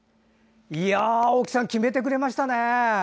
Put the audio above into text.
青木さん決めてくれましたね。